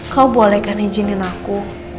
kau bolehkan izinin aku